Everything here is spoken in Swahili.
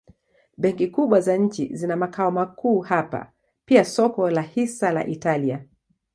Benki kubwa za nchi zina makao makuu hapa pia soko la hisa la Italia.